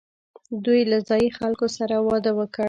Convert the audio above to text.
دوی له ځايي خلکو سره واده وکړ